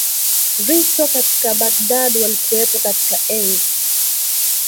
risto katika baghdad walikuwepo katika enzi